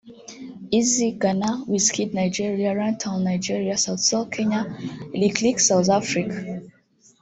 Eazi (Ghana) Wizkid (Nigeria) Runtown (Nigeria) Sauti sol (Kenya) Riky Rick (South Africa)